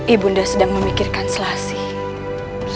ibu bunda sedang memikirkan selassie